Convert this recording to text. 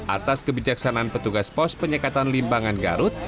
atas kebijaksanaan petugas pos penyekatan limbangan garut